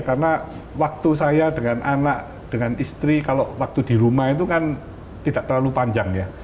karena waktu saya dengan anak dengan istri kalau waktu di rumah itu kan tidak terlalu panjang ya